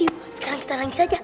ini sekarang kita nangis aja